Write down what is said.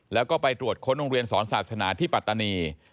แล้วก็ไปตรวจค้นโรงเรียนสอนศาสนาที่ปัตตานี